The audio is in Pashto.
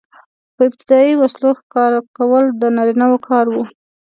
په ابتدايي وسلو ښکار کول د نارینه وو کار و.